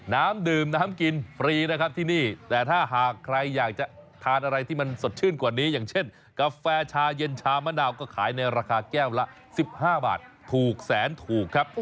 น้ำดื่มน้ำกินฟรีนะครับที่นี่แต่ถ้าหากใครอยากจะทานอะไรที่มันสดชื่นกว่านี้อย่างเช่นกาแฟชาเย็นชามะนาวก็ขายในราคาแก้วละ๑๕บาทถูกแสนถูกครับ